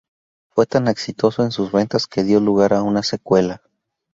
Fue tan exitoso en sus ventas que dio lugar a una secuela.